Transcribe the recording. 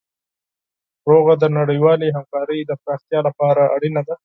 سوله د نړیوالې همکارۍ د پراختیا لپاره اړینه ده.